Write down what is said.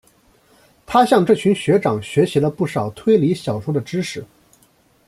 他向这群学长学习了不少推理小说的知识。